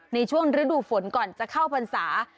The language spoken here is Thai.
ในช่วงฤดูฝนก่อนจะเข้าพรรษา